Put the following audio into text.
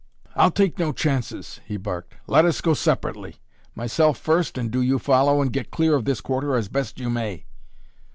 "I'll take no chances," he barked. "Let us go separately. Myself first and do you follow and get clear of this quarter as best you may."